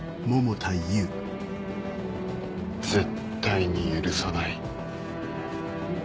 絶対に許さない。